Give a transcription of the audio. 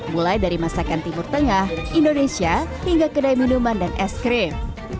mulai dari masakan timur tengah indonesia hingga kedai minuman dan es krim